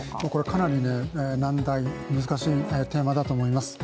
かなり難題、難しいテーマだと思います。